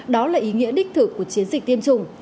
đó là ý nghĩa đích thực của chiến dịch tiêm chủng